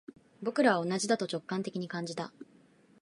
僕らは同じだと直感的に感じた